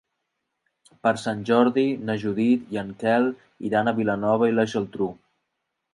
Per Sant Jordi na Judit i en Quel iran a Vilanova i la Geltrú.